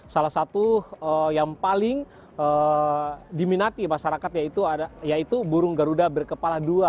salah satu yang paling diminati masyarakat yaitu burung garuda berkepala dua